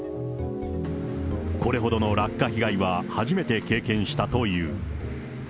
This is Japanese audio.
これほどの落果被害は初めて経験したという。